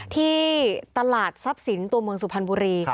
ที่ตลาดทรัพย์สินตัวเมืองสุพรรณบุรี